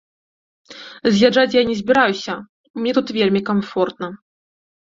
З'язджаць я не збіраюся, мне тут вельмі камфортна.